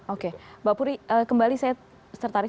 oke mbak puri kembali saya tertarik